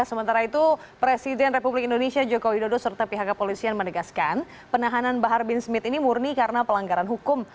sementara itu presiden republik indonesia joko widodo serta pihak kepolisian menegaskan penahanan bahar bin smith ini murni karena pelanggaran hukum